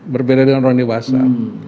berbeda dengan orang dewasa